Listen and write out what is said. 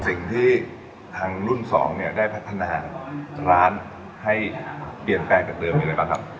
สิ่งที่ทางรุ่นสองเนี่ยได้พัฒนาร้านให้เปลี่ยนแปลงจากเดิมมีอะไรบ้างครับ